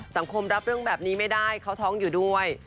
สังคมรับเรื่องแบบนี้ไม่ได้เขาท้องอยู่ด้วย